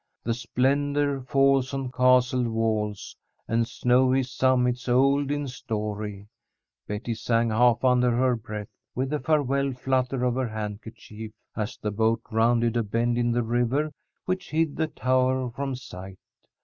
"'The splendour falls on castle walls And snowy summits old in story'" Betty sang half under her breath, with a farewell flutter of her handkerchief, as the boat rounded a bend in the river which hid the tower from sight.